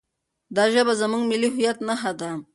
دا ژبه زموږ د ملي هویت نښه ده.